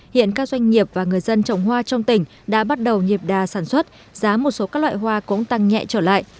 hiện các doanh nghiệp và người dân trồng hoa trong tỉnh đã bắt đầu nhịp đà sản xuất giá một số các loại hoa cũng tăng nhẹ trở lại